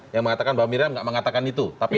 yang mengatakan bahwa miriam nggak mengatakan itu